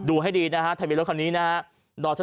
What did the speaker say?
ให้ดีนะฮะทะเบียนรถคันนี้นะฮะ